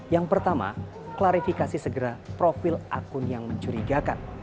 yang pertama klarifikasi segera profil akun yang mencurigakan